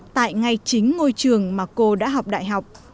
tại ngay chính ngôi trường mà cô đã học đại học